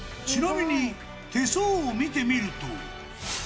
ちなみに、手相を見てみると。